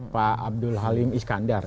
pak abdul halim iskandar